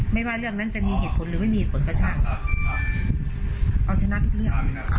ไม่ว่าเรื่องนั้นจะมีเหตุผลหรือไม่มีผลกระทบเอาชนะทุกเรื่อง